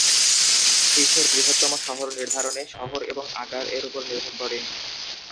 বিশ্বের বৃহত্তম শহর নির্ধারণে "শহর" এবং "আকার"-এর উপর নির্ভর করে।